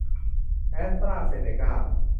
แอสตร้าเซนเนก้า